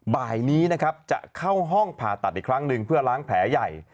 บ่ายนี้นะครับจะเข้าห้องผ่าตัดอีกครั้งหนึ่งเพื่อล้างแผลใหญ่